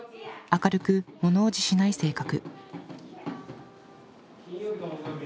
明るくものおじしない性格。